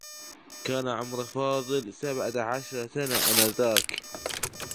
كان عمر فاضل سبعة عشر سنة آنذاك.